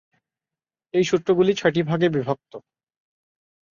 এই সূত্রগুলো ছয়টি ভাগে বিভক্ত।